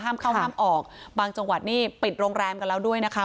ห้ามเข้าห้ามออกบางจังหวัดนี่ปิดโรงแรมกันแล้วด้วยนะคะ